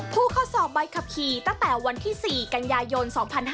ผู้เข้าสอบใบขับขี่ตั้งแต่วันที่๔กันยายน๒๕๕๙